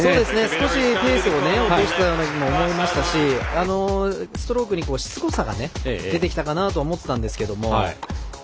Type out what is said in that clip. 少しペースを落としたように思いましたしストロークにしつこさが出てきたかなと思ったんですが。